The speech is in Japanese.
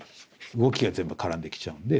動きが全部絡んできちゃうんで。